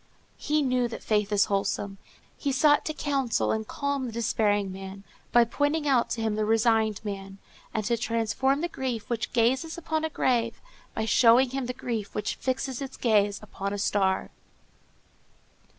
He knew that faith is wholesome. He sought to counsel and calm the despairing man, by pointing out to him the resigned man, and to transform the grief which gazes upon a grave by showing him the grief which fixes its gaze upon a star.